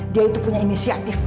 dia itu punya inisiatif